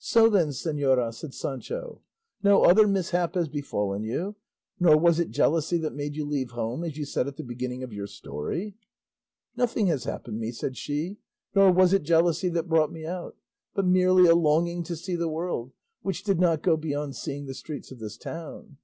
"So then, señora," said Sancho, "no other mishap has befallen you, nor was it jealousy that made you leave home, as you said at the beginning of your story?" "Nothing has happened me," said she, "nor was it jealousy that brought me out, but merely a longing to see the world, which did not go beyond seeing the streets of this town."